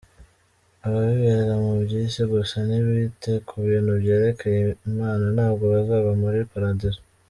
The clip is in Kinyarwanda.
Abibera mu byisi gusa, ntibite ku bintu byerekeye imana, ntabwo bazaba muli Paradizo.